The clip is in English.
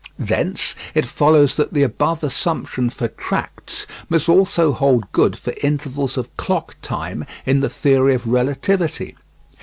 Thence it follows that the above assumption for tracts must also hold good for intervals of clock time in the theory of relativity.